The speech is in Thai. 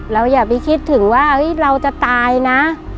อย่าไปคิดถึงว่าเราจะตายนะ